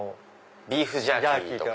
ビーフジャーキーとか。